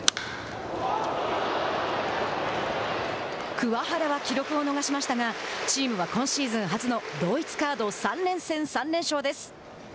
桑原は記録を逃しましたがチームは今シーズン初の同一カード３連戦３連勝です。